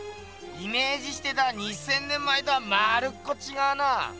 イメージしてた２，０００年前とはまるっこちがうな！